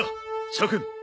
諸君。